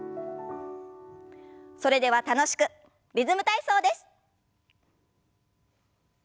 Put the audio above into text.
それでは楽しくリズム体操です。